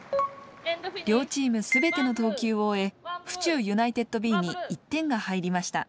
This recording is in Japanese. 両チーム全ての投球を終え府中ユナイテッドＢに１点が入りました。